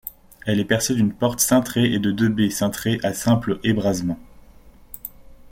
Elle est percée d'une porte cintrée et de deux baies cintrées à simple ébrasement.